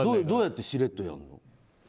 どうやってしれっとやるの？